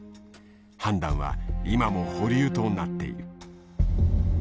判断は今も保留となっている。